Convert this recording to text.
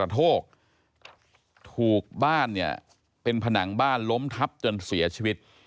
ถูกบ้านเนี่ยเป็นผนังบ้านล้มทับจนเสียชีวิต